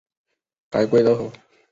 改归德府。